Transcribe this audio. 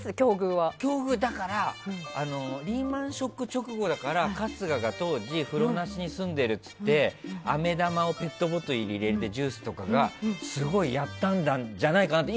だからリーマン・ショック直後だから春日が当時、風呂なしに住んでいるっていってあめ玉をペットボトルに入れたジュースとかをすごいやったんじゃないかなって